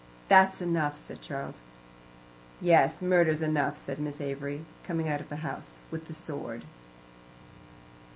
"That's enough," said Charles. "Yes, murder's enough," said Miss Avery, coming out of the house with the sword.